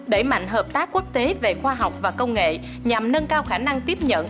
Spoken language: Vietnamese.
đẩy mạnh hợp tác quốc tế về khoa học và công nghệ nhằm nâng cao khả năng tiếp nhận